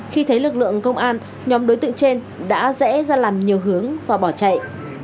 khi thấy lực lượng công an nhóm đối tượng trên đã rẽ ra làm nhiều hướng và bỏ chạy